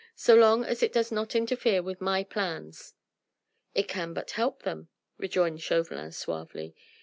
So long as it does not interfere with my plans...." "It can but help them," rejoined Chauvelin suavely.